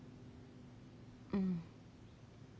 うん。